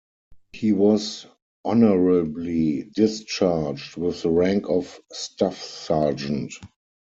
He was honorably discharged with the rank of staff sergeant.